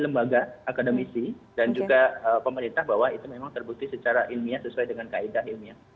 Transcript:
lembaga akademisi dan juga pemerintah bahwa itu memang terbukti secara ilmiah sesuai dengan kaedah ilmiah